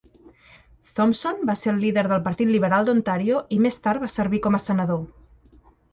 Thompson va ser el líder del Partit Liberal de Ontario i més tard va servir com a senador.